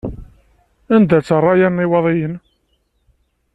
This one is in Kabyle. Anda-tt rraya n Iwaḍiyen?